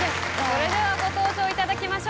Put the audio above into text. それではご登場いただきましょう。